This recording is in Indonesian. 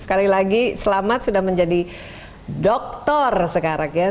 sekali lagi selamat sudah menjadi doktor sekarang ya